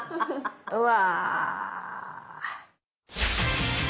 うわ。